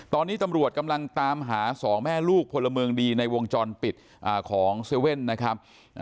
ตอนนี้ตำรวจกำลังตามหาสองแม่ลูกพลเมืองดีในวงจรปิดของ๗๑๑นะครับ